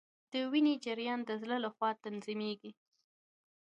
د وینې جریان د زړه لخوا تنظیمیږي